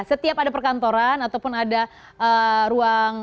setiap ada perkantoran ataupun ada ruang